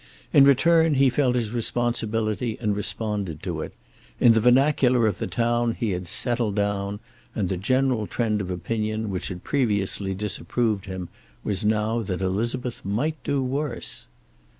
In return he felt his responsibility and responded to it. In the vernacular of the town he had "settled down," and the general trend of opinion, which had previously disapproved him, was now that Elizabeth might do worse.